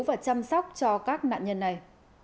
và chăm sóc cho các nạn nhân này